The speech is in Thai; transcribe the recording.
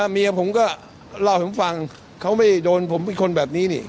เมียผมก็เล่าให้ผมฟังเขาไม่โดนผมเป็นคนแบบนี้นี่